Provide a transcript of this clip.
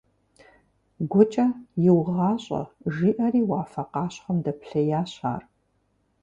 ГукӀэ «иугъащӀэ» жиӀэри уафэ къащхъуэм дэплъеящ ар.